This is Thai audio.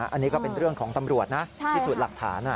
อันนี้ก็เป็นเรื่องของตำรวจนะพิสูจน์หลักฐาน